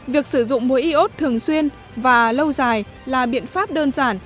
việc sử dụng muối y ốt thường xuyên và lâu dài là biện pháp đơn giản